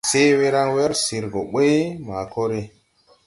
Se we raŋ wer sir gɔ ɓuy, ma kore.